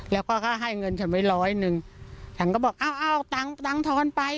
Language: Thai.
แล้วก็ให้เงินฉันไว้ร้อยหนึ่งฉันก็บอกอ้าวเอาตังค์ตังค์ทอนไป